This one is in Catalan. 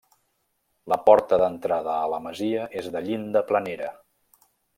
La porta d'entrada a la masia és de llinda planera.